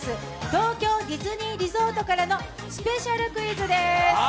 東京ディズニーリゾートからのスペシャルクイズでーす。